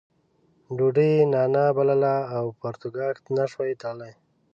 ډوډۍ یې نانا بلله او پرتوګاښ نه شوای تړلی.